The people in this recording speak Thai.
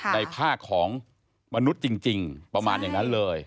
ในภาคของมนุษย์จริงประมาณอย่างนั้นเลย